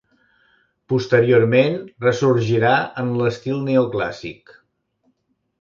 Posteriorment, ressorgirà en l'estil neoclàssic.